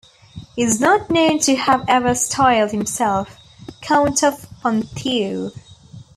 He is not known to have ever styled himself "Count of Ponthieu".